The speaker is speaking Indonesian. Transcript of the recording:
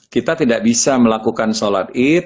kita tidak bisa melakukan sholat id